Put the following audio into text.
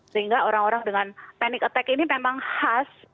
sehingga orang orang dengan panic attack ini memang khas